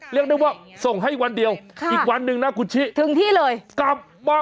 เรียกได้ว่าส่งให้อีกวันเดียว